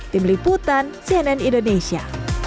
tim liputan cnn indonesia